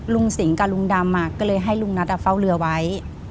สิงกับลุงดำก็เลยให้ลุงนัทเฝ้าเรือไว้